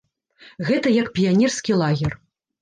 Гэта як піянерскі лагер.